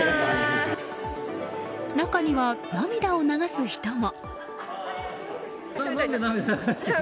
中には涙を流す人も。